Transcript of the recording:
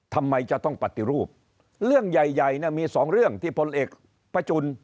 ทำไมจะต้องปฏิรูปเรื่องใหญ่ใหญ่เนี่ยมีสองเรื่องที่พลเอกพระจุล